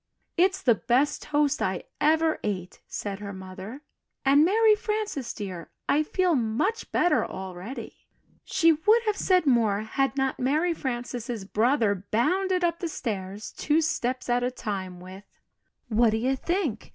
"It's the best toast I ever ate," said her mother, "and Mary Frances, dear, I feel much better already." She would have said more had not Mary Frances' brother bounded up the stairs two steps at a time with, "What do you think!